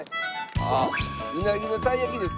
あっうなぎの鯛焼きですね